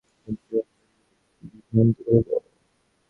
কিন্তু কীভাবে খরগোশগুলোকে বিভ্রান্ত করব?